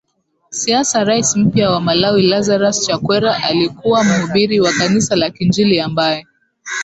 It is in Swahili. siasa Rais mpya wa Malawi Lazarus Chakwera alikuwa muhubiri wa kanisa la kiinjili ambaye